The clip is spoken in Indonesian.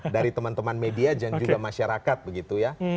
dari teman teman media dan juga masyarakat begitu ya